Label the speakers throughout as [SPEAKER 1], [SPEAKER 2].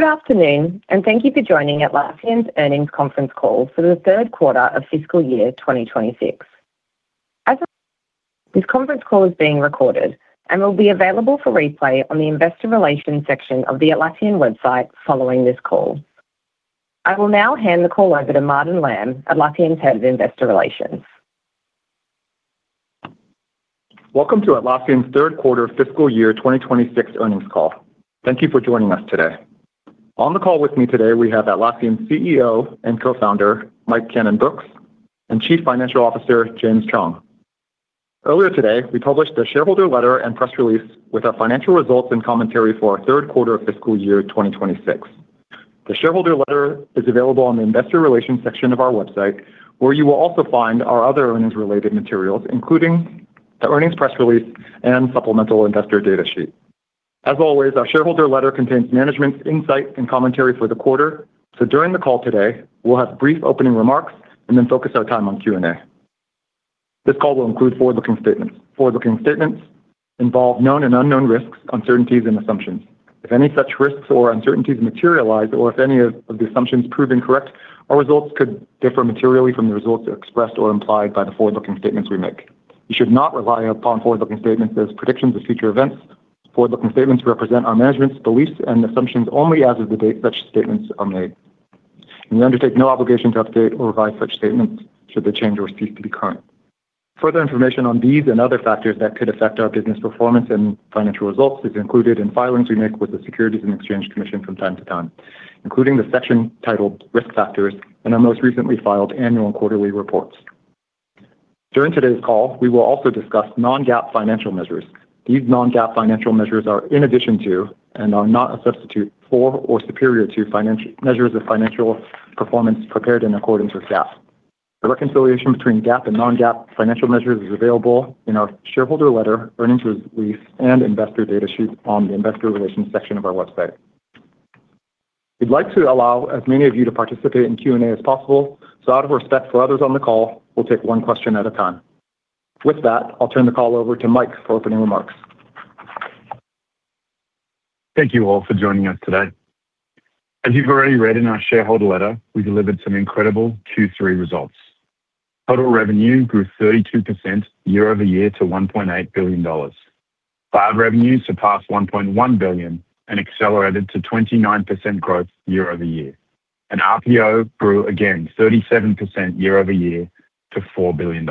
[SPEAKER 1] Good afternoon. Thank you for joining Atlassian's earnings conference call for the third quarter of FY 2026. This conference call is being recorded and will be available for replay on the investor relations section of the Atlassian website following this call. I will now hand the call over to Martin Lam, Atlassian's Head of Investor Relations.
[SPEAKER 2] Welcome to Atlassian's third quarter fiscal year 2026 earnings call. Thank you for joining us today. On the call with me today, we have Atlassian's CEO and Co-Founder, Mike Cannon-Brookes, and Chief Financial Officer, James Chuong. Earlier today, we published a shareholder letter and press release with our financial results and commentary for our third quarter of fiscal year 2026. The shareholder letter is available on the investor relations section of our website, where you will also find our other earnings-related materials, including our earnings press release and supplemental investor data sheet. As always, our shareholder letter contains management's insight and commentary for the quarter. During the call today, we'll have brief opening remarks and then focus our time on Q&A. This call will include forward-looking statements. Forward-looking statements involve known and unknown risks, uncertainties, and assumptions. If any such risks or uncertainties materialize or if any of the assumptions prove incorrect, our results could differ materially from the results expressed or implied by the forward-looking statements we make. You should not rely upon forward-looking statements as predictions of future events. Forward-looking statements represent our management's beliefs and assumptions only as of the date such statements are made, and we undertake no obligation to update or revise such statements should they change or cease to be current. Further information on these and other factors that could affect our business performance and financial results is included in filings we make with the Securities and Exchange Commission from time to time, including the section titled Risk Factors in our most recently filed annual and quarterly reports. During today's call, we will also discuss non-GAAP financial measures. These non-GAAP financial measures are in addition to, and are not a substitute for or superior to financial measures of financial performance prepared in accordance with GAAP. A reconciliation between GAAP and non-GAAP financial measures is available in our shareholder letter, earnings release, and investor data sheet on the investor relations section of our website. We'd like to allow as many of you to participate in Q&A as possible, so out of respect for others on the call, we'll take one question at a time. With that, I'll turn the call over to Mike for opening remarks.
[SPEAKER 3] Thank you all for joining us today. As you've already read in our shareholder letter, we delivered some incredible Q3 results. Total revenue grew 32% year-over-year to $1.8 billion. Cloud revenue surpassed $1.1 billion and accelerated to 29% growth year-over-year. RPO grew again 13% year-over-year to $4 billion.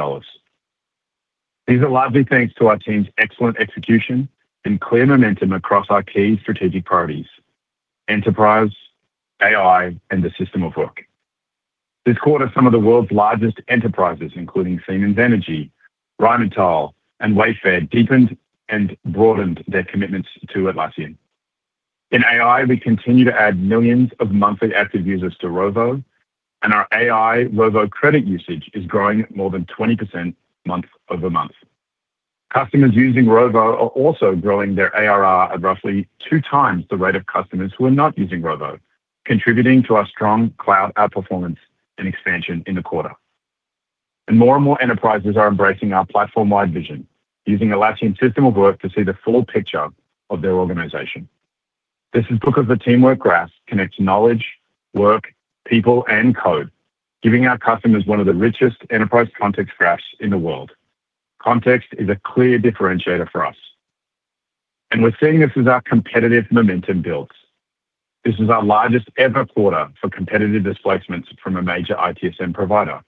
[SPEAKER 3] These are largely thanks to our team's excellent execution and clear momentum across our key strategic priorities: enterprise, AI, and the system of work. This quarter, some of the world's largest enterprises, including Siemens Energy, Rheinmetall, and Wayfair, deepened and broadened their commitments to Atlassian. In AI, we continue to add millions of monthly active users to Rovo, and our AI Rovo credit usage is growing at more than 20% month-over-month. Customers using Rovo are also growing their ARR at roughly two times the rate of customers who are not using Rovo, contributing to our strong Cloud outperformance and expansion in the quarter. More and more enterprises are embracing our platform-wide vision, using Atlassian system of work to see the full picture of their organization. This is because the Teamwork Graph connects knowledge, work, people, and code, giving our customers one of the richest enterprise context graphs in the world. Context is a clear differentiator for us, and we're seeing this as our competitive momentum builds. This is our largest ever quarter for competitive displacements from a major ITSM provider.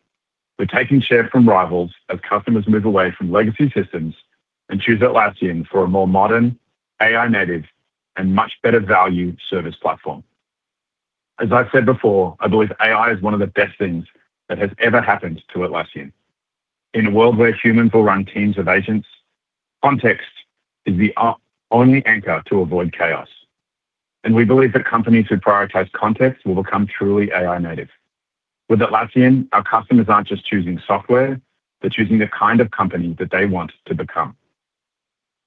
[SPEAKER 3] We're taking share from rivals as customers move away from legacy systems and choose Atlassian for a more modern, AI-native, and much better value service platform. As I've said before, I believe AI is one of the best things that has ever happened to Atlassian. In a world where humans will run teams of agents, context is the only anchor to avoid chaos, and we believe that companies who prioritize context will become truly AI native. With Atlassian, our customers aren't just choosing software, they're choosing the kind of company that they want to become.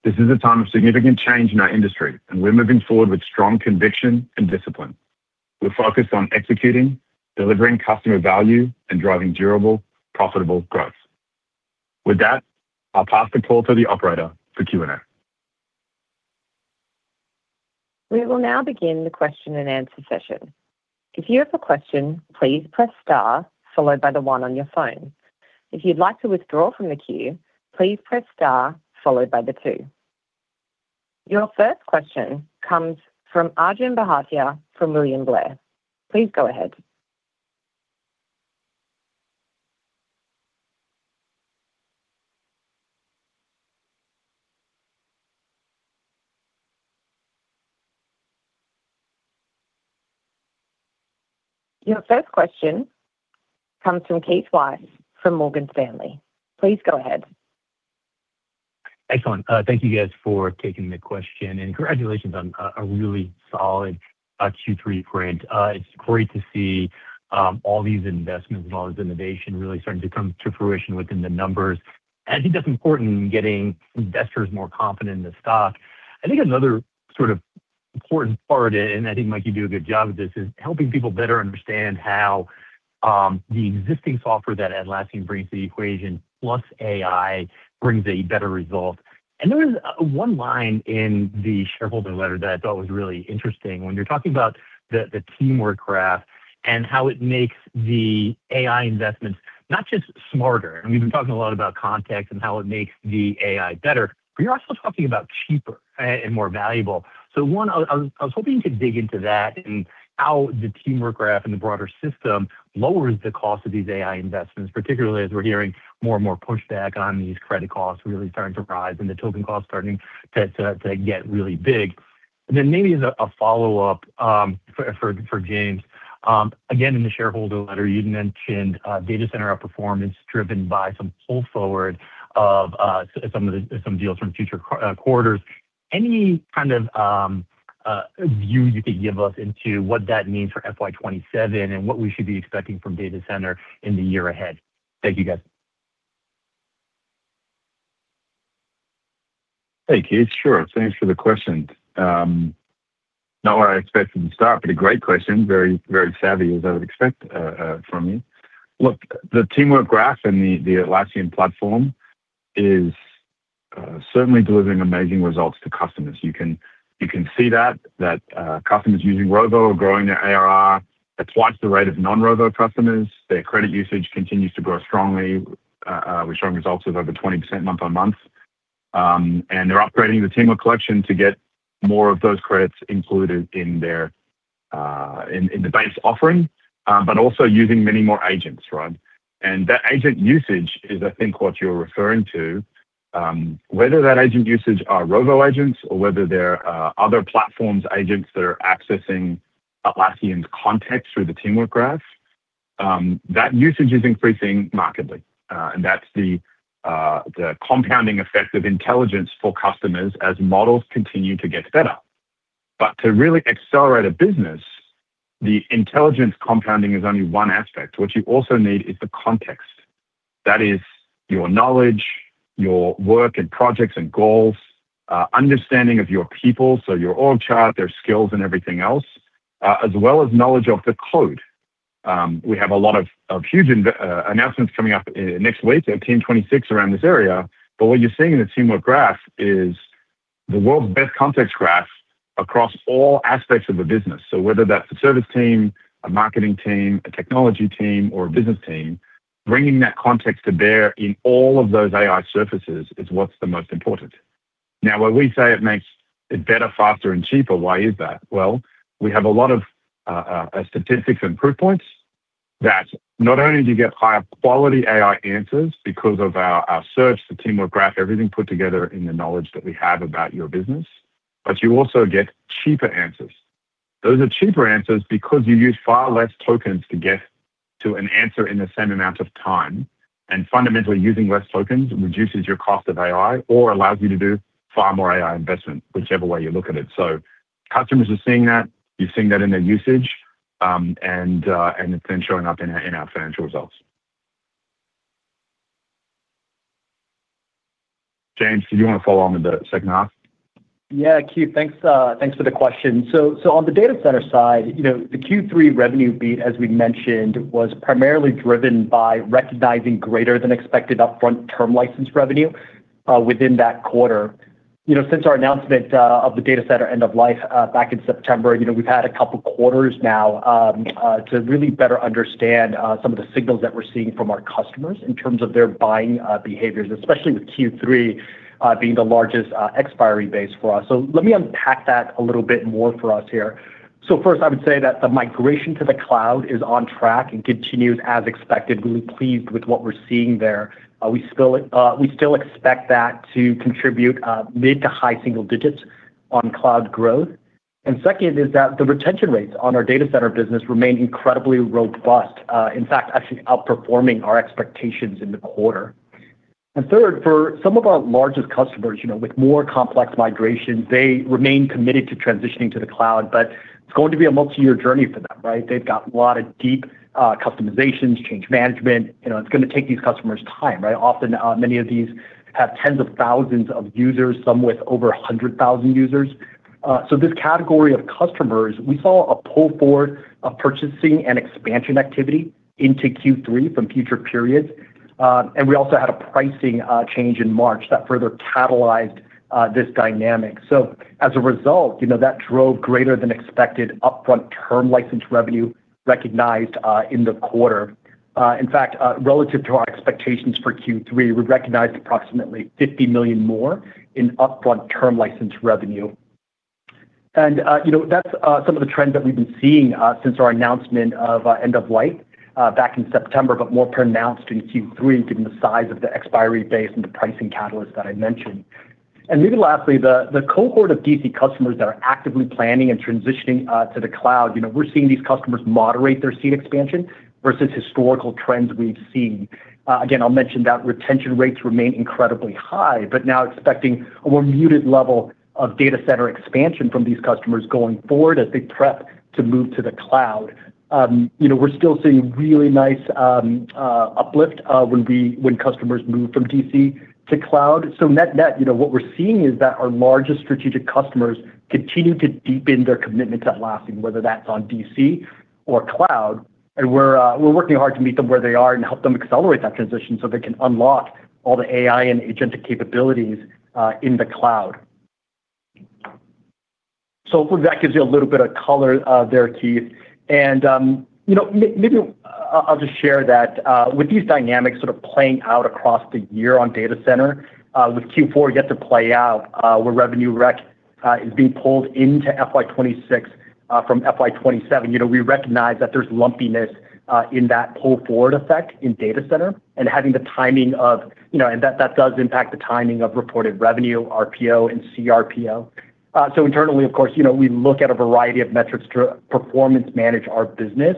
[SPEAKER 3] This is a time of significant change in our industry, and we're moving forward with strong conviction and discipline. We're focused on executing, delivering customer value, and driving durable, profitable growth. With that, I'll pass the call to the operator for Q&A.
[SPEAKER 1] Your first question comes from Arjun Bhatia from William Blair. Please go ahead. Your first question comes from Keith Weiss from Morgan Stanley. Please go ahead.
[SPEAKER 4] Excellent. Thank you guys for taking the question, and congratulations on a really solid Q3 print. It's great to see all these investments and all this innovation really starting to come to fruition within the numbers, and I think that's important in getting investors more confident in the stock. I think another sort of important part, and I think, Mike, you do a good job of this, is helping people better understand how. The existing software that Atlassian brings to the equation plus AI brings a better result. There was one line in the shareholder letter that I thought was really interesting. When you're talking about the Teamwork Graph and how it makes the AI investments not just smarter, and we've been talking a lot about context and how it makes the AI better, but you're also talking about cheaper and more valuable. One, I was hoping you could dig into that and how the Teamwork Graph and the broader system lowers the cost of these AI investments, particularly as we're hearing more and more pushback on these credit costs really starting to rise and the token costs starting to get really big. Maybe as a follow-up, for James, again, in the shareholder letter, you'd mentioned data center outperformance driven by some pull forward of some deals from future quarters. Any kind of view you could give us into what that means for FY 2027 and what we should be expecting from data center in the year ahead? Thank you, guys.
[SPEAKER 3] Hey, Keith. Sure. Thanks for the question. Not what I expected to start, but a great question. Very savvy, as I would expect from you. Look, the Teamwork Graph and the Atlassian platform is certainly delivering amazing results to customers. You can see that customers using Rovo are growing their ARR at twice the rate of non-Rovo customers. Their credit usage continues to grow strongly, with strong results of over 20% month-over-month. They're upgrading the Teamwork Collection to get more of those credits included in their in the base offering, but also using many more agents, right? That agent usage is, I think, what you're referring to. Whether that agent usage are Rovo agents or whether they're other platforms agents that are accessing Atlassian's context through the Teamwork Graph, that usage is increasing markedly. That's the compounding effect of intelligence for customers as models continue to get better. To really accelerate a business, the intelligence compounding is only one aspect. What you also need is the context. That is your knowledge, your work and projects and goals, understanding of your people, so your org chart, their skills and everything else, as well as knowledge of the code. We have a lot of huge announcements coming up next week at Team '26 around this area. What you're seeing in the Teamwork Graph is the world's best context graph across all aspects of the business. Whether that's a service team, a marketing team, a technology team, or a business team, bringing that context to bear in all of those AI surfaces is what's the most important. When we say it makes it better, faster, and cheaper, why is that? Well, we have a lot of statistics and proof points that not only do you get higher quality AI answers because of our search, the Teamwork Graph, everything put together in the knowledge that we have about your business, but you also get cheaper answers. Those are cheaper answers because you use far less tokens to get to an answer in the same amount of time, and fundamentally using less tokens reduces your cost of AI or allows you to do far more AI investment, whichever way you look at it. Customers are seeing that. You're seeing that in their usage, and it's then showing up in our, in our financial results. James, did you want to follow on with the second half?
[SPEAKER 5] Yeah. Keith, thanks for the question. On the data center side, you know, the Q3 revenue beat, as we mentioned, was primarily driven by recognizing greater than expected upfront term license revenue within that quarter. You know, since our announcement of the data center end of life back in September, you know, we've had a couple quarters now to really better understand some of the signals that we're seeing from our customers in terms of their buying behaviors, especially with Q3 being the largest expiry base for us. Let me unpack that a little bit more for us here. First, I would say that the migration to the Cloud is on track and continues as expected. Really pleased with what we're seeing there. We still expect that to contribute mid to high single digits on Cloud growth. Second is that the retention rates on our Data Center business remain incredibly robust, in fact, actually outperforming our expectations in the quarter. Third, for some of our largest customers, you know, with more complex migrations, they remain committed to transitioning to the Cloud, but it's gonna be a multi-year journey for them. They've got a lot of deep customizations, change management. You know, it's gonna take these customers time. Often, many of these have tens of thousands of users, some with over 100,000 users. This category of customers, we saw a pull forward of purchasing and expansion activity into Q3 from future periods. We also had a pricing change in March that further catalyzed this dynamic. As a result, you know, that drove greater than expected upfront term license revenue recognized in the quarter. In fact, relative to our expectations for Q3, we recognized approximately $50 million more in upfront term license revenue. You know, that's some of the trends that we've been seeing since our announcement of end of life back in September, but more pronounced in Q3 given the size of the expiry base and the pricing catalyst that I mentioned. Maybe lastly, the cohort of DC customers that are actively planning and transitioning to the Cloud, you know, we're seeing these customers moderate their seat expansion versus historical trends we've seen. Again, I'll mention that retention rates remain incredibly high, but now expecting a more muted level of Data Center expansion from these customers going forward as they prep to move to the Cloud. You know, we're still seeing really nice uplift when customers move from DC to Cloud. Net-net, you know, what we're seeing is that our largest strategic customers continue to deepen their commitment to Atlassian, whether that's on DC or Cloud. We're working hard to meet them where they are and help them accelerate that transition so they can unlock all the AI and agentic capabilities in the Cloud. That gives you a little bit of color there, Keith. You know, maybe I'll just share that with these dynamics sort of playing out across the year on Data Center, with Q4 yet to play out, where revenue rec is being pulled into FY 2026 from FY 2027. You know, we recognize that there's lumpiness in that pull forward effect in Data Center and having the timing of that does impact the timing of reported revenue, RPO, and CRPO. Internally, of course, you know, we look at a variety of metrics to performance manage our business,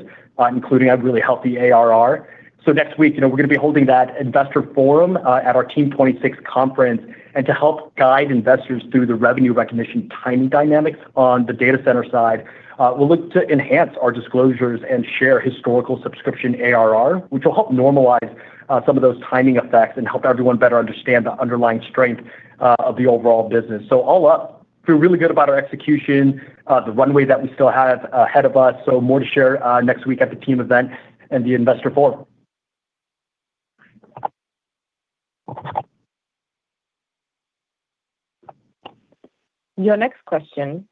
[SPEAKER 5] including a really healthy ARR. Next week, you know, we're gonna be holding that investor forum at our Team '26 conference. To help guide investors through the revenue recognition timing dynamics on the Data Center side, we'll look to enhance our disclosures and share historical subscription ARR, which will help normalize some of those timing effects and help everyone better understand the underlying strength of the overall business. All up, feel really good about our execution, the runway that we still have ahead of us. More to share next week at team event and the investor forum.
[SPEAKER 1] Your next question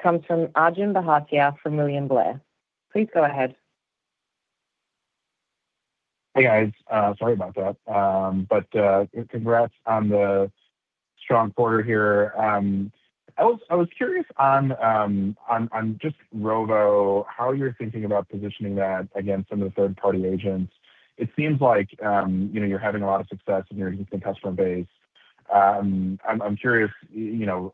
[SPEAKER 1] comes from Arjun Bhatia from William Blair. Please go ahead.
[SPEAKER 6] Hey, guys. Sorry about that. Congrats on the strong quarter here. I was curious on just Rovo, how you're thinking about positioning that against some of the third-party agents. It seems like, you know, you're having a lot of success in your existing customer base. I'm curious, you know,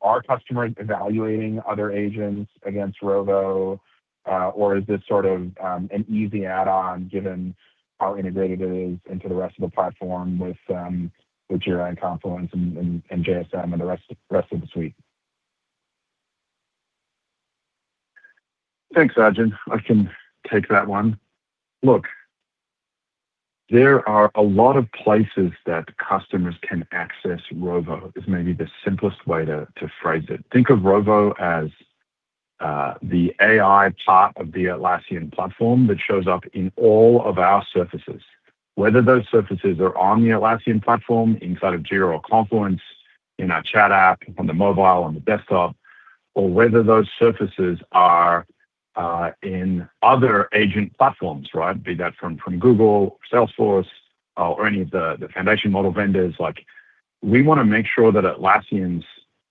[SPEAKER 6] are customers evaluating other agents against Rovo, or is this sort of an easy add-on given how integrated it is into the rest of the platform with Jira and Confluence and JSM and the rest of the suite?
[SPEAKER 3] Thanks, Arjun. I can take that one. Look, there are a lot of places that customers can access Rovo, is maybe the simplest way to phrase it. Think of Rovo as the AI part of the Atlassian platform that shows up in all of our surfaces. Whether those surfaces are on the Atlassian platform inside of Jira or Confluence, in our chat app, on the mobile, on the desktop, or whether those surfaces are in other agent platforms, right? Be that from Google, Salesforce, or any of the foundation model vendors. Like, we wanna make sure that Atlassian's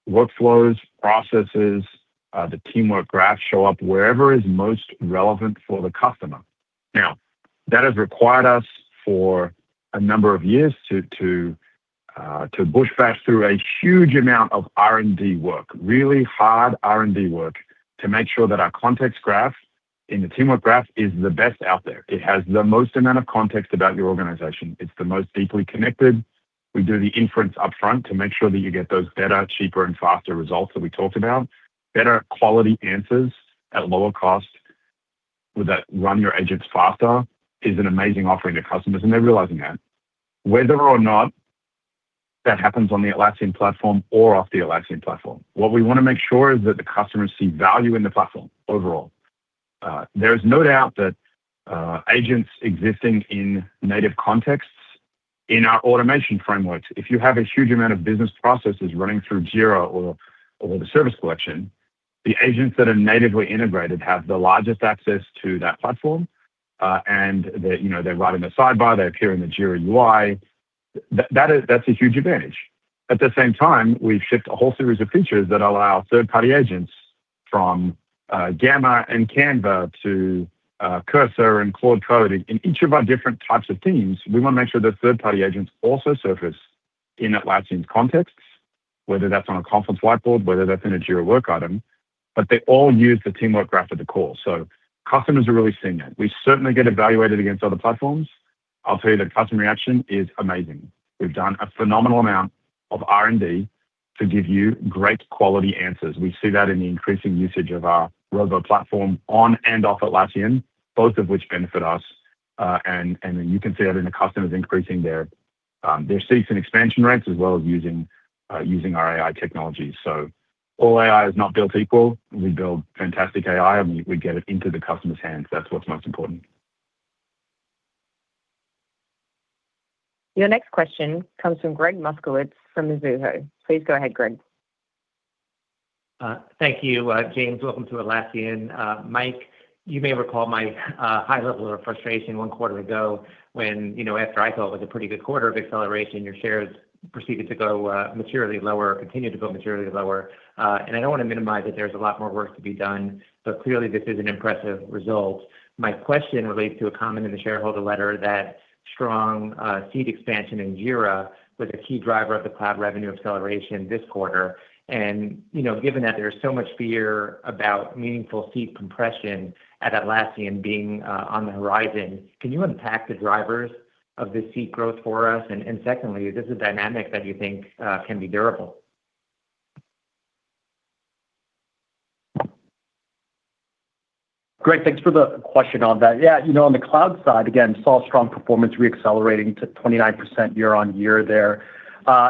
[SPEAKER 3] workflows, processes, the Teamwork Graphs show up wherever is most relevant for the customer. That has required us for a number of years to bush bash through a huge amount of R&D work, really hard R&D work, to make sure that our context graph in the Teamwork Graph is the best out there. It has the most amount of context about your organization. It's the most deeply connected. We do the inference upfront to make sure that you get those better, cheaper, and faster results that we talked about. Better quality answers at lower cost that run your agents faster is an amazing offering to customers, they're realizing that. Whether or not that happens on the Atlassian platform or off the Atlassian platform, what we wanna make sure is that the customers see value in the platform overall. There is no doubt that agents existing in native contexts in our automation frameworks, if you have a huge amount of business processes running through Jira or the Service Collection, the agents that are natively integrated have the largest access to that platform. And they, you know, they're right in the sidebar, they appear in the Jira UI. That's a huge advantage. At the same time, we've shipped a whole series of features that allow third-party agents from Gamma and Canva to Cursor and Claude Code. In each of our different types of teams, we wanna make sure that third-party agents also surface in Atlassian's contexts, whether that's on a Confluence whiteboard, whether that's in a Jira work item, but they all use the Teamwork Graph at the core. Customers are really seeing that. We certainly get evaluated against other platforms. I'll tell you that customer reaction is amazing. We've done a phenomenal amount of R&D to give you great quality answers. We see that in the increasing usage of our Rovo platform on and off Atlassian, both of which benefit us. You can see that in the customers increasing their seats and expansion rates as well as using our AI technology. All AI is not built equal. We build fantastic AI, and we get it into the customer's hands. That's what's most important.
[SPEAKER 1] Your next question comes from Gregg Moskowitz from Mizuho. Please go ahead, Gregg.
[SPEAKER 7] Thank you, James. Welcome to Atlassian. Mike, you may recall my high level of frustration one quarter ago when, you know, after I thought it was a pretty good quarter of acceleration, your shares proceeded to go materially lower, continued to go materially lower. I don't want to minimize that there's a lot more work to be done, but clearly this is an impressive result. My question relates to a comment in the shareholder letter that strong seat expansion in Jira was a key driver of the Cloud revenue acceleration this quarter. You know, given that there's so much fear about meaningful seat compression at Atlassian being on the horizon, can you unpack the drivers of the seat growth for us? Secondly, is this a dynamic that you think can be durable?
[SPEAKER 5] Great. Thanks for the question on that. You know, on the Cloud side, again, saw strong performance re-accelerating to 29% year-over-year there.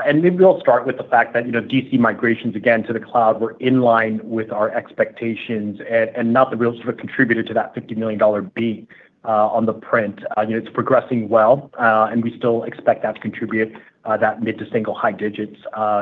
[SPEAKER 5] Maybe I'll start with the fact that, you know, DC migrations, again, to the Cloud were in line with our expectations and not the real sort of contributor to that $50 million B on the print. You know, it's progressing well, we still expect that to contribute that mid to single-high digits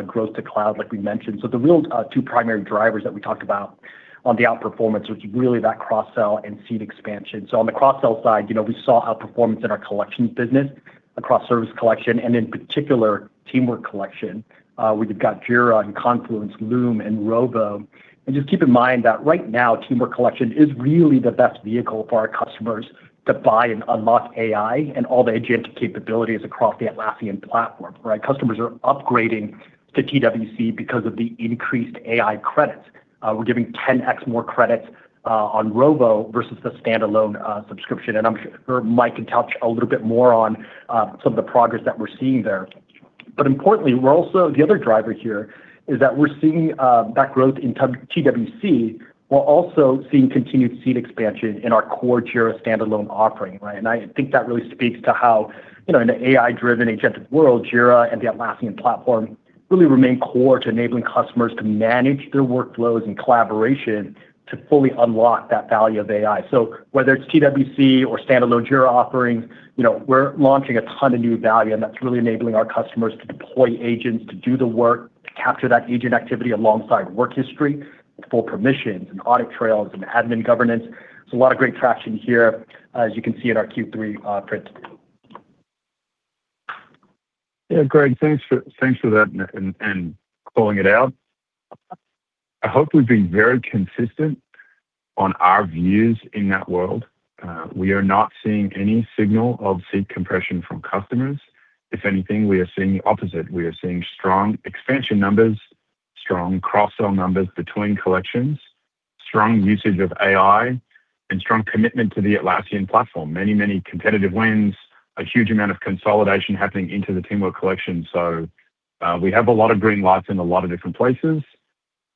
[SPEAKER 5] growth to Cloud, like we mentioned. The real two primary drivers that we talked about on the outperformance was really that cross-sell and seat expansion. On the cross-sell side, you know, we saw outperformance in our collections business across Service Collection and in particular Teamwork Collection, where you've got Jira and Confluence, Loom and Rovo. Just keep in mind that right now, Teamwork Collection is really the best vehicle for our customers to buy and unlock AI and all the agent capabilities across the Atlassian platform, right? Customers are upgrading to TWC because of the increased AI credits. We're giving 10x more credits on Rovo versus the standalone subscription, and I'm sure Mike can touch a little bit more on some of the progress that we're seeing there. Importantly, the other driver here is that we're seeing that growth in TWC while also seeing continued seat expansion in our core Jira standalone offering, right? I think that really speaks to how, you know, in an AI-driven agented world, Jira and the Atlassian platform really remain core to enabling customers to manage their workflows and collaboration to fully unlock that value of AI. Whether it's TWC or standalone Jira offerings, you know, we're launching a ton of new value, and that's really enabling our customers to deploy agents to do the work, to capture that agent activity alongside work history with full permissions and audit trails and admin governance. There's a lot of great traction here, as you can see in our Q3 prints.
[SPEAKER 3] Gregg, thanks for that and calling it out. I hope we've been very consistent on our views in that world. We are not seeing any signal of seat compression from customers. If anything, we are seeing the opposite. We are seeing strong expansion numbers, strong cross-sell numbers between collections, strong usage of AI and strong commitment to the Atlassian platform. Many competitive wins, a huge amount of consolidation happening into the Teamwork Collection. We have a lot of green lights in a lot of different places.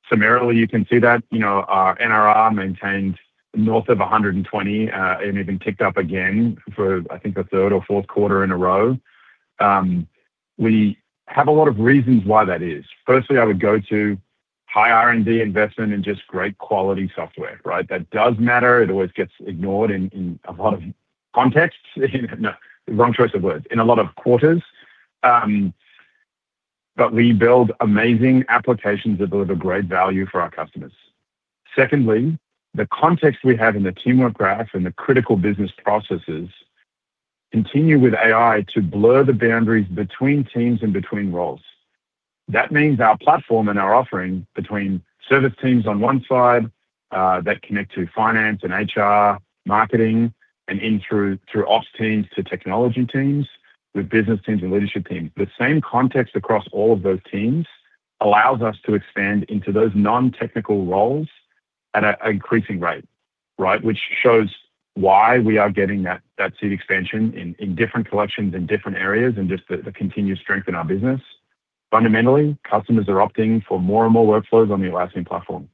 [SPEAKER 3] Summarily, you can see that, you know, our NRR maintained north of 120 and even ticked up again for I think a third or fourth quarter in a row. We have a lot of reasons why that is. Firstly, I would go to high R&D investment and just great quality software, right? That does matter. It always gets ignored in a lot of contexts. No, wrong choice of words. In a lot of quarters. We build amazing applications that deliver great value for our customers. Secondly, the context we have in the Teamwork Graph and the critical business processes continue with AI to blur the boundaries between teams and between roles. That means our platform and our offering between service teams on one side, that connect to finance and HR, marketing, and in through off teams to technology teams with business teams and leadership teams. The same context across all of those teams allows us to expand into those non-technical roles at a increasing rate, right? Which shows why we are getting that seat expansion in different collections, in different areas and just the continued strength in our business. Fundamentally, customers are opting for more and more workflows on the Atlassian platform.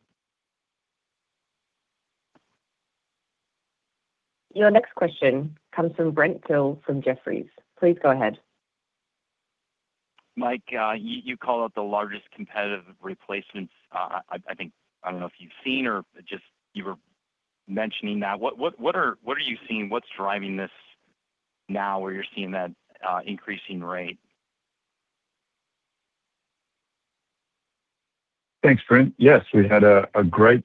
[SPEAKER 1] Your next question comes from Brent Thill from Jefferies. Please go ahead.
[SPEAKER 8] Mike, you called out the largest competitive replacements. I think, I don't know if you've seen or just you were mentioning that. What are you seeing? What's driving this now where you're seeing that increasing rate?
[SPEAKER 3] Thanks, Brent. Yes, we had a great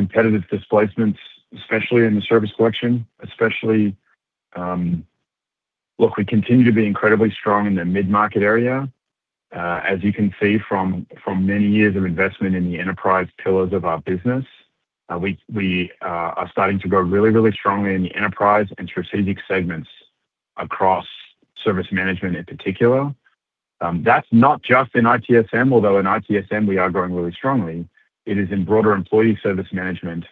[SPEAKER 3] quarter for competitive displacements, especially in the Service Collection. We continue to be incredibly strong in the mid-market area. As you can see from many years of investment in the enterprise pillars of our business, we are starting to grow really strongly in the enterprise and strategic segments across service management in particular. That's not just in ITSM, although in ITSM we are growing really strongly. It is in broader employee service management.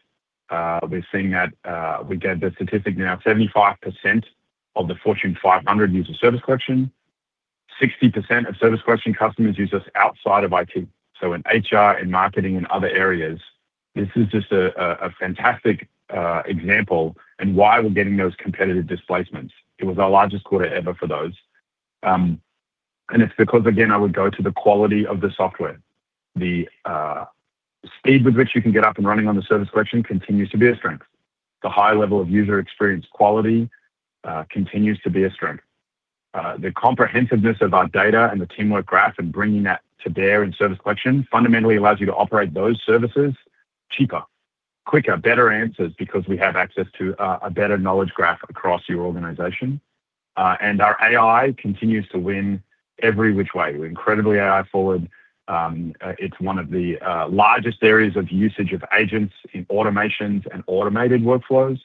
[SPEAKER 3] We're seeing that we gave the statistic now 75% of the Fortune 500 use the Service Collection. 60% of Service Collection customers use us outside of IT, so in HR, in marketing and other areas. This is just a fantastic example and why we're getting those competitive displacements. It was our largest quarter ever for those. It's because, again, I would go to the quality of the software. The speed with which you can get up and running on the Service Collection continues to be a strength. The high level of user experience quality continues to be a strength. The comprehensiveness of our data and the Teamwork Graph and bringing that to bear in Service Collection fundamentally allows you to operate those services cheaper, quicker, better answers because we have access to a better knowledge graph across your organization. Our AI continues to win every which way. We're incredibly AI forward. It's one of the largest areas of usage of agents in automations and automated workflows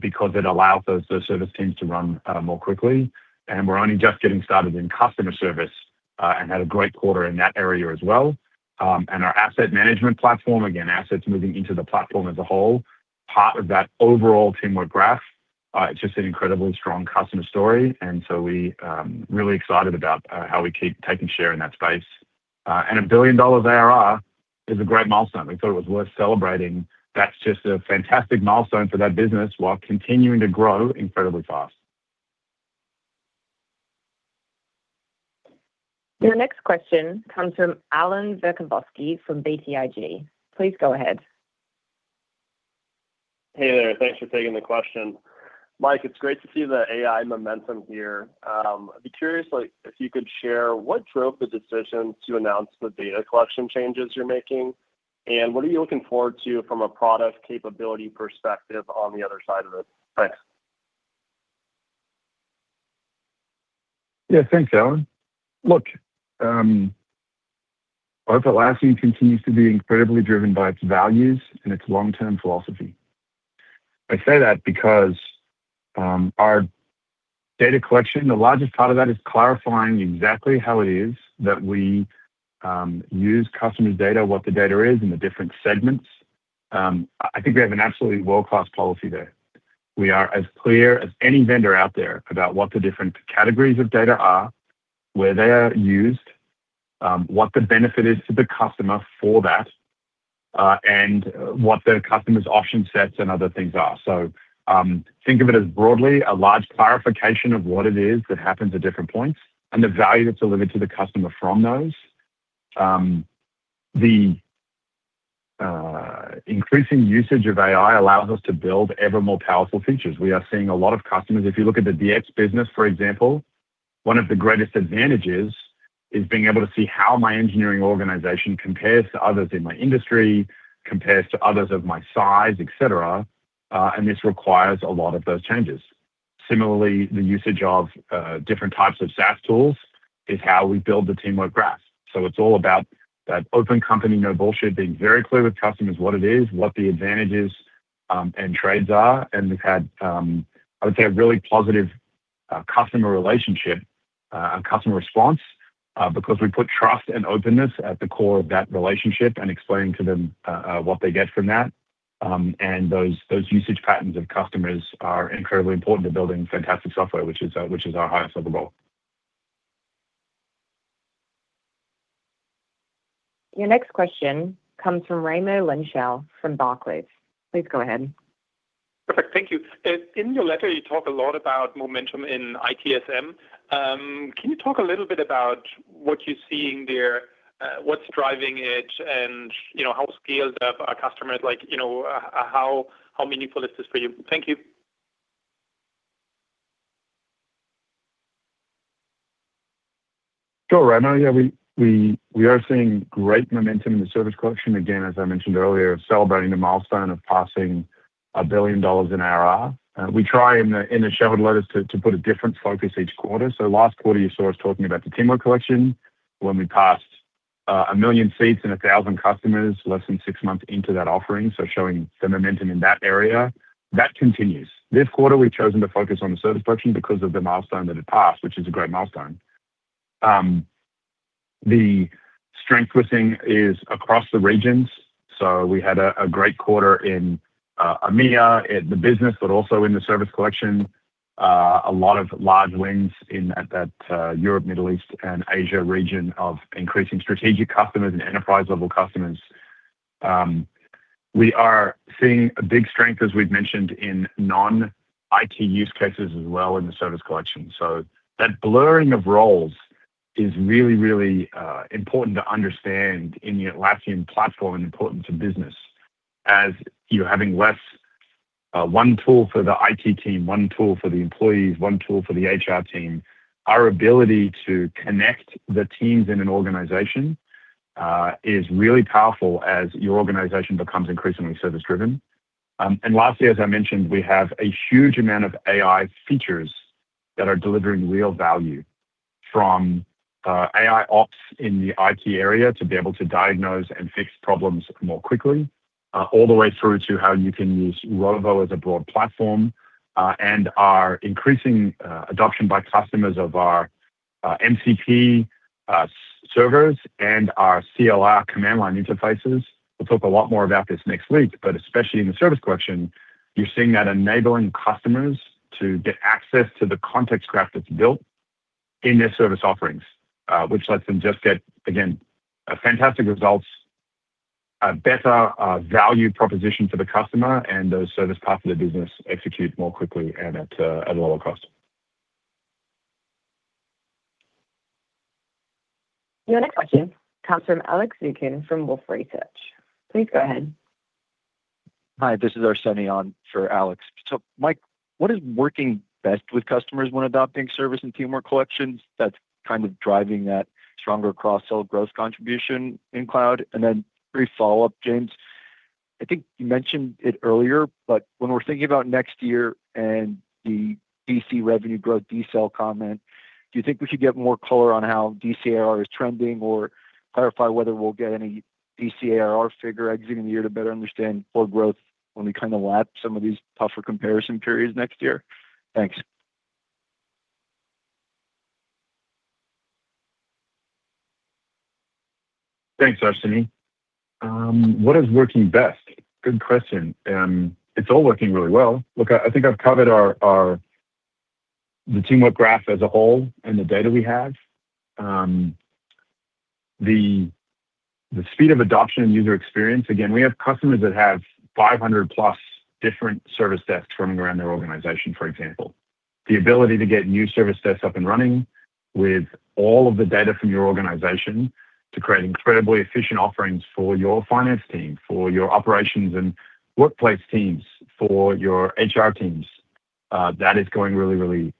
[SPEAKER 3] because it allows those service teams to run more quickly. We're only just getting started in customer service, and had a great quarter in that area as well. Our asset management platform, again, assets moving into the platform as a whole, part of that overall Teamwork Graph. It's just an incredibly strong customer story. We really excited about how we keep taking share in that space. A $1 billion ARR is a great milestone. We thought it was worth celebrating. That's just a fantastic milestone for that business while continuing to grow incredibly fast.
[SPEAKER 1] Your next question comes from Allan Verkhovski from BTIG. Please go ahead.
[SPEAKER 9] Hey there. Thanks for taking the question. Mike, it's great to see the AI momentum here. I'd be curious, like, if you could share what drove the decision to announce the data collection changes you're making, and what are you looking forward to from a product capability perspective on the other side of this? Thanks.
[SPEAKER 3] Thanks, Allan. Look, Atlassian continues to be incredibly driven by its values and its long-term philosophy. I say that because, our data collection, the largest part of that is clarifying exactly how it is that we use customer data, what the data is in the different segments. I think we have an absolutely world-class policy there. We are as clear as any vendor out there about what the different categories of data are, where they are used, what the benefit is to the customer for that, and what the customer's option sets and other things are. Think of it as broadly a large clarification of what it is that happens at different points and the value that's delivered to the customer from those. The increasing usage of AI allows us to build ever more powerful features. We are seeing a lot of customers. If you look at the DX business, for example, one of the greatest advantages is being able to see how my engineering organization compares to others in my industry, compares to others of my size, et cetera, and this requires a lot of those changes. Similarly, the usage of different types of SaaS tools is how we build the Teamwork Graph. It's all about that open company, no bullshit, being very clear with customers what it is, what the advantages and trades are. We've had, I would say, a really positive customer relationship and customer response because we put trust and openness at the core of that relationship and explaining to them what they get from that. Those usage patterns of customers are incredibly important to building fantastic software, which is our highest level goal.
[SPEAKER 1] Your next question comes from Raimo Lenschow from Barclays. Please go ahead.
[SPEAKER 10] Perfect. Thank you. In your letter, you talk a lot about momentum in ITSM. Can you talk a little bit about what you're seeing there, what's driving it, and you know, how scaled up are customers? Like, you know, how meaningful is this for you? Thank you.
[SPEAKER 3] Sure, Raimo. We are seeing great momentum in the Service Collection. As I mentioned earlier, celebrating the milestone of passing $1 billion in ARR. We try in the shareholder letters to put a different focus each quarter. Last quarter, you saw us talking about the Teamwork Collection when we passed 1 million seats and 1,000 customers less than six months into that offering, showing the momentum in that area. That continues. This quarter, we've chosen to focus on the Service Collection because of the milestone that it passed, which is a great milestone. The strength we're seeing is across the regions. We had a great quarter in EMEA, in the business, but also in the Service Collection. A lot of large wins in that Europe, Middle East, and Asia region of increasing strategic customers and enterprise-level customers. We are seeing a big strength, as we've mentioned, in non-IT use cases as well in the Service Collection. That blurring of roles is really, really important to understand in the Atlassian platform and important to business. As you're having less, one tool for the IT team, one tool for the employees, one tool for the HR team, our ability to connect the teams in an organization is really powerful as your organization becomes increasingly service driven. Lastly, as I mentioned, we have a huge amount of AI features that are delivering real value, from AIOps in the IT area to be able to diagnose and fix problems more quickly, all the way through to how you can use Rovo as a broad platform, and our increasing adoption by customers of our MCP servers and our CLI command line interfaces. We'll talk a lot more about this next week, especially in the Service Collection, you're seeing that enabling customers to get access to the context graph that's built in their service offerings, which lets them just get, again, fantastic results, a better value proposition for the customer, and those service parts of the business execute more quickly and at a lower cost.
[SPEAKER 1] Your next question comes from Alex Zukin from Wolfe Research. Please go ahead.
[SPEAKER 11] Hi, this is Arsenije on for Alex. Mike, what is working best with customers when adopting Service and Teamwork Collections that's kind of driving that stronger cross-sell growth contribution in Cloud? Brief follow-up, James. I think you mentioned it earlier, when we're thinking about next year and the DC revenue growth decel comment, do you think we should get more color on how DC ARR is trending or clarify whether we'll get any DC ARR figure exiting the year to better understand core growth when we kinda lap some of these tougher comparison periods next year? Thanks.
[SPEAKER 3] Thanks, Arsenije. What is working best? Good question. It's all working really well. I think I've covered our Teamwork Graph as a whole and the data we have. The speed of adoption and user experience. Again, we have customers that have 500+ different service desks running around their organization, for example. The ability to get new service desks up and running with all of the data from your organization to create incredibly efficient offerings for your finance team, for your operations and workplace teams, for your HR teams, that is going really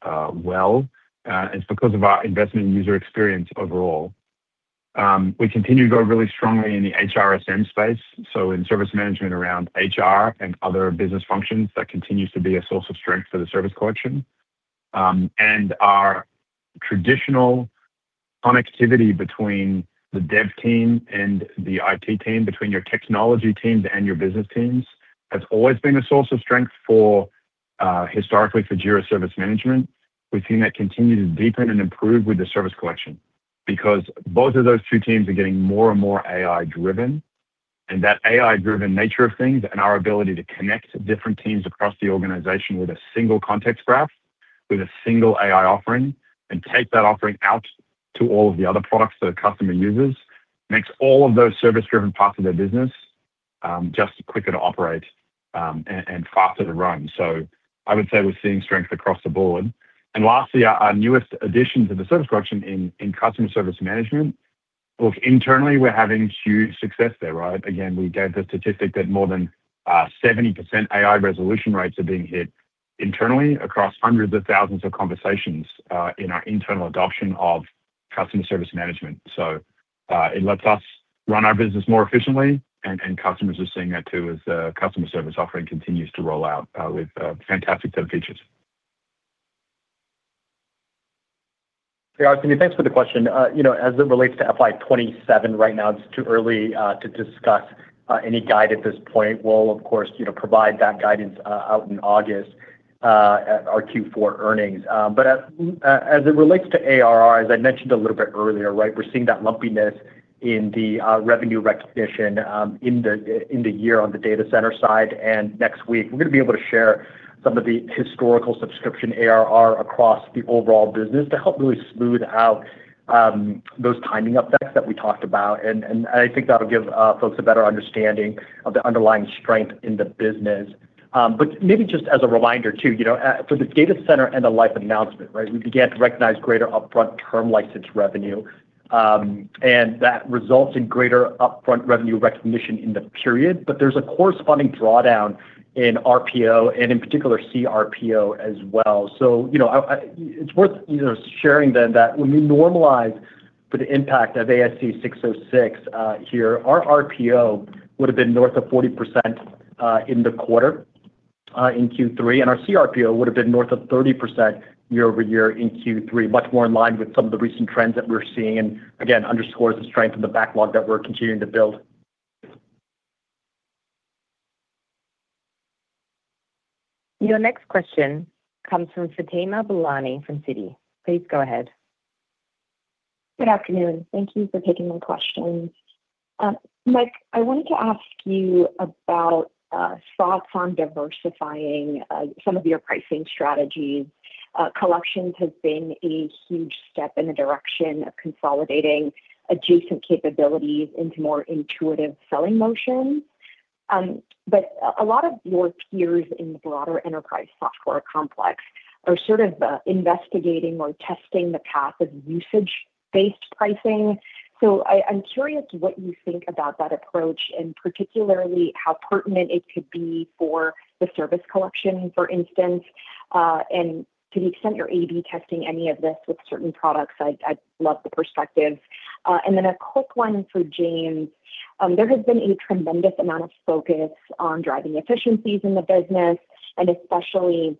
[SPEAKER 3] well. It's because of our investment in user experience overall. We continue to go really strongly in the HRSM space, so in service management around HR and other business functions, that continues to be a source of strength for the Service Collection. Our traditional connectivity between the dev team and the IT team, between your technology teams and your business teams, has always been a source of strength for historically for Jira Service Management. We've seen that continue to deepen and improve with the Service Collection because both of those two teams are getting more and more AI-driven. That AI-driven nature of things and our ability to connect different teams across the organization with a single context graph, with a single AI offering, and take that offering out to all of the other products that a customer uses, makes all of those service-driven parts of their business just quicker to operate and faster to run. I would say we're seeing strength across the board. Lastly, our newest addition to the Service Collection in Customer Service Management. Look, internally, we're having huge success there, right? Again, we gave the statistic that more than 70% AI resolution rates are being hit internally across hundreds of thousands of conversations in our internal adoption of customer service management. It lets us run our business more efficiently, and customers are seeing that too as the customer service offering continues to roll out with fantastic set of features.
[SPEAKER 5] Yeah, Arsenije, thanks for the question. You know, as it relates to FY 2027, right now it's too early to discuss any guide at this point. We'll of course, you know, provide that guidance out in August at our Q4 earnings. But as it relates to ARR, as I mentioned a little bit earlier, right? We're seeing that lumpiness in the revenue recognition in the year on the Data Center side. Next week we're gonna be able to share some of the historical subscription ARR across the overall business to help really smooth out those timing effects that we talked about. I think that'll give folks a better understanding of the underlying strength in the business. Maybe just as a reminder too, you know, for this data center and the life announcement, right? We began to recognize greater upfront term license revenue, that results in greater upfront revenue recognition in the period. There's a corresponding drawdown in RPO and in particular CRPO as well. You know, it's worth, you know, sharing then that when we normalize for the impact of ASC 606 here, our RPO would've been north of 40% in the quarter in Q3, and our CRPO would've been north of 30% year-over-year in Q3. Much more in line with some of the recent trends that we're seeing, underscores the strength in the backlog that we're continuing to build.
[SPEAKER 1] Your next question comes from Fatima Boolani from Citi. Please go ahead.
[SPEAKER 12] Good afternoon. Thank you for taking my questions. Mike, I wanted to ask you about thoughts on diversifying some of your pricing strategies. Collections has been a huge step in the direction of consolidating adjacent capabilities into more intuitive selling motions? A lot of your peers in the broader enterprise software complex are sort of investigating or testing the path of usage-based pricing. I'm curious what you think about that approach, and particularly how pertinent it could be for the Service Collection, for instance. To the extent you're A/B testing any of this with certain products, I'd love the perspective. Then a quick one for James. There has been a tremendous amount of focus on driving efficiencies in the business and especially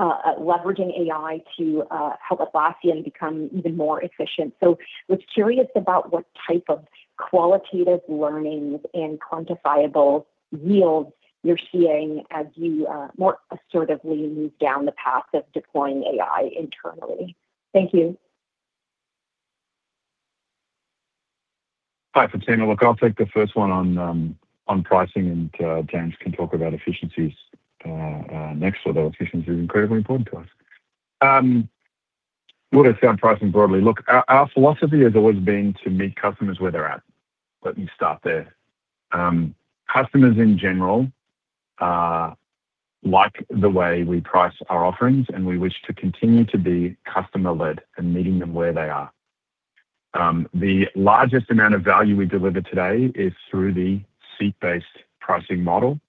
[SPEAKER 12] leveraging AI to help Atlassian become even more efficient. Was curious about what type of qualitative learnings and quantifiable yields you're seeing as you more assertively move down the path of deploying AI internally. Thank you.
[SPEAKER 3] Hi, Fatima. I'll take the first one on pricing, and James can talk about efficiencies next. Although efficiency is incredibly important to us. As to our pricing broadly, our philosophy has always been to meet customers where they're at. Let me start there. Customers in general like the way we price our offerings, and we wish to continue to be customer-led and meeting them where they are. The largest amount of value we deliver today is through the seat-based pricing model.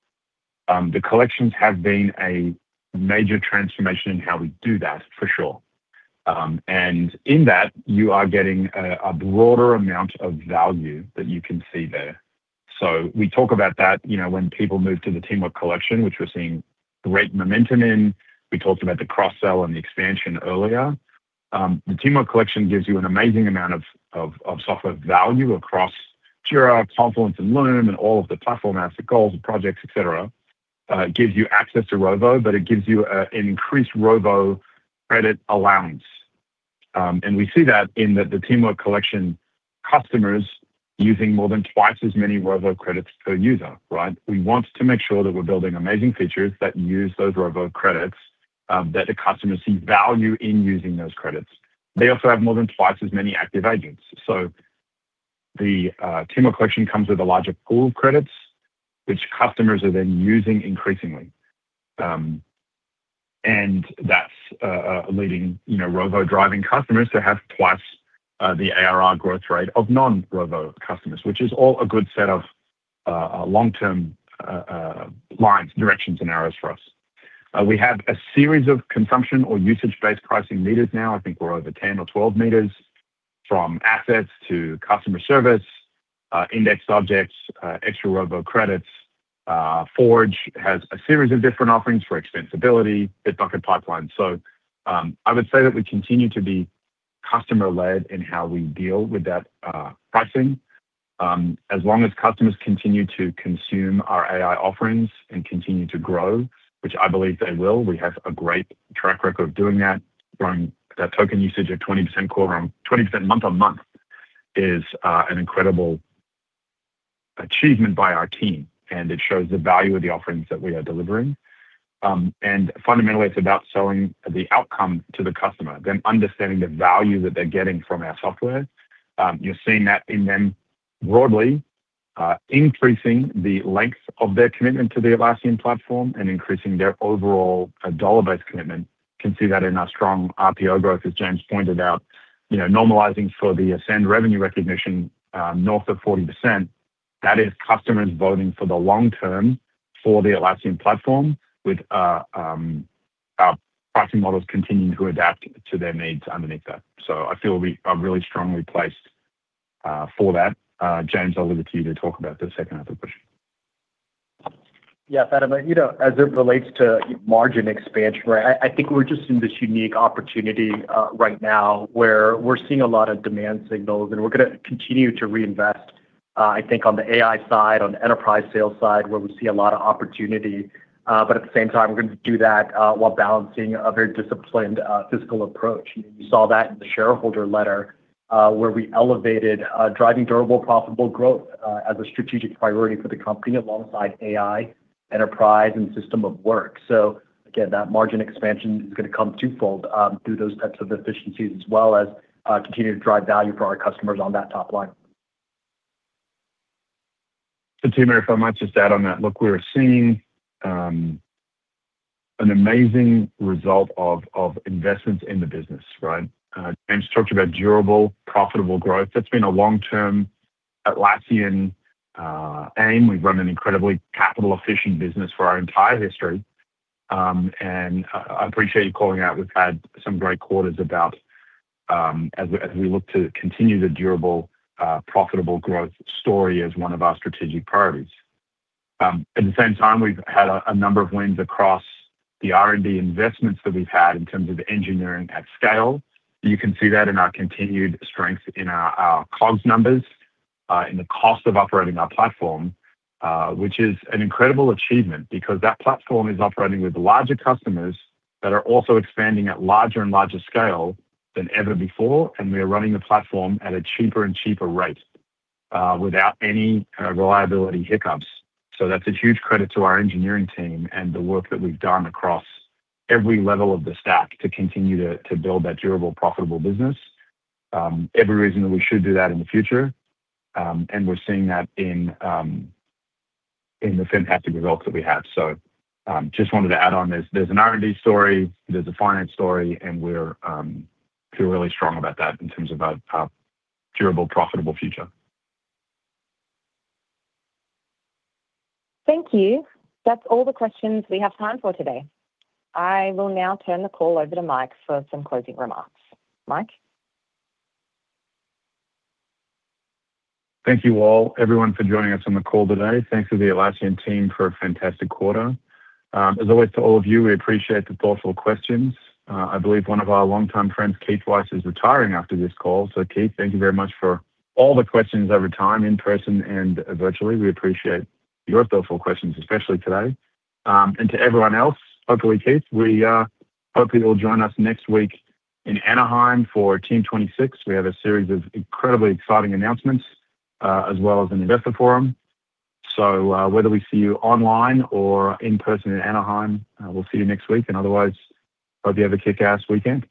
[SPEAKER 3] The collections have been a major transformation in how we do that, for sure. In that you are getting a broader amount of value that you can see there. We talk about that, you know, when people move to the Teamwork Collection, which we're seeing great momentum in. We talked about the cross-sell and the expansion earlier. The Teamwork Collection gives you an amazing amount of software value across Jira, Confluence, and Loom and all of the platform apps, the goals, the projects, et cetera. gives you access to Rovo, but it gives you an increased Rovo credit allowance. And we see that in the Teamwork Collection customers using more than twice as many Rovo credits per user, right? We want to make sure that we're building amazing features that use those Rovo credits, that the customers see value in using those credits. They also have more than twice as many active agents. The Teamwork Collection comes with a larger pool of credits, which customers are then using increasingly. That's, you know, Rovo driving customers to have twice the ARR growth rate of non-Rovo customers, which is all a good set of long-term lines, directions, and errors for us. We have a series of consumption or usage-based pricing meters now. I think we're over 10 or 12 meters from assets to customer service, index objects, extra Rovo credits. Forge has a series of different offerings for extensibility, Bitbucket pipeline. I would say that we continue to be customer-led in how we deal with that pricing. As long as customers continue to consume our AI offerings and continue to grow, which I believe they will, we have a great track record of doing that. Growing that token usage of 20% quarter on 20% month-over-month is an incredible achievement by our team. It shows the value of the offerings that we are delivering. Fundamentally, it's about selling the outcome to the customer, them understanding the value that they're getting from our software. You're seeing that in them broadly increasing the length of their commitment to the Atlassian platform and increasing their overall dollar-based commitment. You can see that in our strong RPO growth, as James pointed out. You know, normalizing for the ascend revenue recognition, north of 40%, that is customers voting for the long term for the Atlassian platform with our pricing models continuing to adapt to their needs underneath that. I feel we are really strongly placed for that. James, I'll leave it to you to talk about the second half of the question.
[SPEAKER 5] Yeah, Fatima, you know, as it relates to margin expansion, right? I think we're just in this unique opportunity right now where we're seeing a lot of demand signals, and we're gonna continue to reinvest, I think on the AI side, on enterprise sales side, where we see a lot of opportunity. At the same time, we're gonna do that while balancing a very disciplined fiscal approach. You saw that in the shareholder letter, where we elevated driving durable profitable growth as a strategic priority for the company alongside AI, enterprise, and system of work. Again, that margin expansion is gonna come twofold through those types of efficiencies, as well as continue to drive value for our customers on that top line.
[SPEAKER 3] Fatima, if I might just add on that. Look, we're seeing an amazing result of investments in the business, right? James talked about durable, profitable growth. That's been a long-term Atlassian aim. We've run an incredibly capital-efficient business for our entire history. And I appreciate you calling out, we've had some great quarters about as we look to continue the durable, profitable growth story as one of our strategic priorities. At the same time, we've had a number of wins across the R&D investments that we've had in terms of engineering at scale. You can see that in our continued strength in our COGS numbers, in the cost of operating our platform, which is an incredible achievement because that platform is operating with larger customers that are also expanding at larger and larger scale than ever before, and we are running the platform at a cheaper and cheaper rate, without any reliability hiccups. That's a huge credit to our engineering team and the work that we've done across every level of the stack to continue to build that durable, profitable business. Every reason that we should do that in the future, and we're seeing that in the fantastic results that we have. Just wanted to add on this. There's an R&D story, there's a finance story, and we feel really strong about that in terms of our durable, profitable future.
[SPEAKER 1] Thank you. That's all the questions we have time for today. I will now turn the call over to Mike for some closing remarks. Mike?
[SPEAKER 3] Thank you, all, everyone for joining us on the call today. Thanks to the Atlassian team for a fantastic quarter. As always, to all of you, we appreciate the thoughtful questions. I believe one of our longtime friends, Keith Weiss, is retiring after this call. Keith, thank you very much for all the questions over time, in person and virtually. We appreciate your thoughtful questions, especially today. To everyone else, hopefully, Keith, we hope you'll join us next week in Anaheim for Team '26. We have a series of incredibly exciting announcements, as well as an investor forum. Whether we see you online or in person in Anaheim, we'll see you next week. Otherwise, hope you have a kick-ass weekend.